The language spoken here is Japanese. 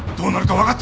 分かった。